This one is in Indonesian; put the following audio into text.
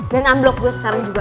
dan unblock gue sekarang juga